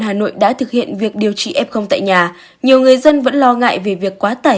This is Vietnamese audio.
hà nội đã thực hiện việc điều trị f tại nhà nhiều người dân vẫn lo ngại về việc quá tải